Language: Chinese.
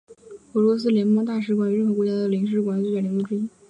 俄罗斯联邦大使馆与任何国家的领事馆的最大的联络之一。